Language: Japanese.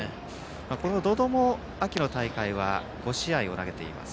百々も秋の大会は５試合を投げています。